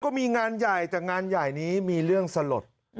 ก็มีงานใหญ่แต่งานใหญ่นี้มีเรื่องสลด